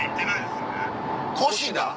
越田？